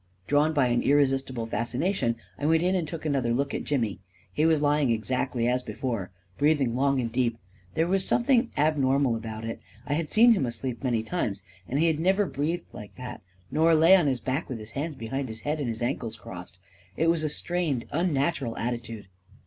Drawn by an irresistible fascination, I went in and took another look at Jimmy. He was lying exactly as before, breathing long and deep. There was something abnormal about it : I had seen him asleep many times, and he had never breathed like that — nor lay on his back with his hands be hind his head and his ankles crossed* It was a strained, unnatural attitude